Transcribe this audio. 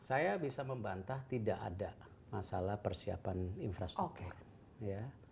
saya bisa membantah tidak ada masalah persiapan infrastruktur ya